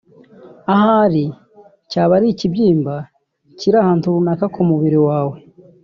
ahari cyaba ari ikibyimba kiri ahantu runaka ku mubiri wawe